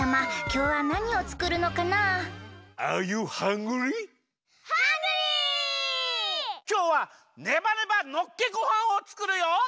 きょうはねばねばのっけごはんをつくるよ！